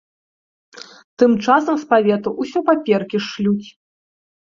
Тым часам з павету ўсё паперкі шлюць.